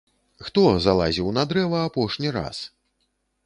Хто залазіў на дрэва апошні раз?